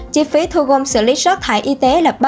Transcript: chi phí thu gom xử lý rác thải y tế